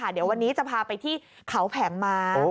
เดี๋ยววันนี้จะพาไปที่เขาแผงม้า